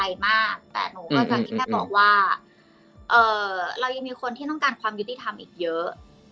แต่หนูก็จะมีแค่บอกว่าเรายังมีคนที่ต้องการความยุติธรรมอีกเยอะ